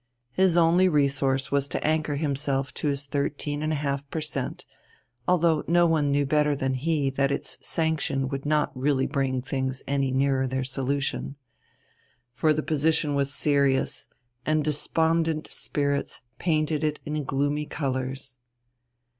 His only resource was to anchor himself to his 13½ per cent., although no one knew better than he that its sanction would not really bring things any nearer their solution. For the position was serious, and despondent spirits painted it in gloomy colours.